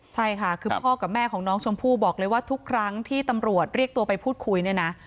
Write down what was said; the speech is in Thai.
ใช่ค่ะคือพ่อกับแม่ของน้องชมพู่บอกเลยว่าทุกครั้งที่ตำรวจเรียกตัวไปพูดคุยเนี่ยนะ